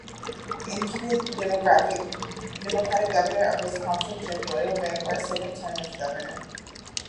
Incumbent Democratic Governor of Wisconsin Jim Doyle ran for a second term as governor.